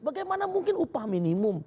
bagaimana mungkin upah minimum